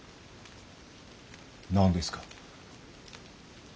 何ですか？